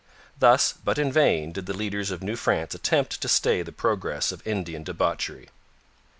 Thus, but in vain, did the leaders of New France attempt to stay the progress of Indian debauchery.